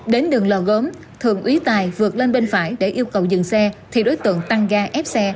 đến đường lò gốm thường úy tài vượt lên bên phải để yêu cầu dừng xe thì đối tượng tăng ga ép xe